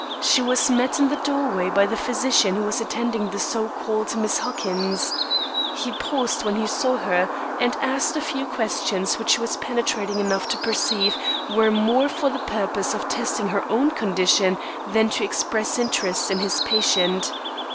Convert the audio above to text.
She was met in the doorway by the physician who was attending the so called Miss Huckins. He paused when he saw her, and asked a few questions which she was penetrating enough to perceive were more for the purpose of testing her own condition than to express interest in his patient.